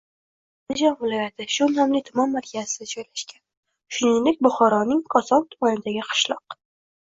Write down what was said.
Baliqchi - Andijon viloyati. Shu nomli tuman markazi joylashgan. Shuningdek, Buxoroning Koson tumanidagi qishloq.